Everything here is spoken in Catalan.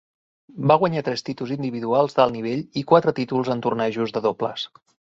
Va guanyar tres títols individuals d'alt nivell i quatre títols en tornejos de dobles.